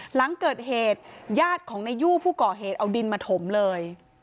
หลังเกิดเหตุญาติของนายยู่ผู้ก่อเหตุเอาดินมาถมเลย